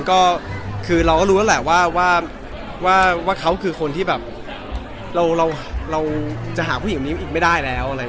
เราก็รู้แหละว่าเขาแบบเราจะหาหินคนนี้อีกไม่ได้แล้ว